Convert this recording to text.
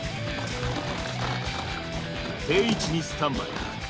定位置にスタンバイ。